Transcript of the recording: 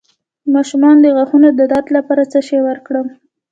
د ماشوم د غاښونو د درد لپاره څه شی ورکړم؟